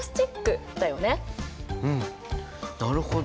うんなるほど。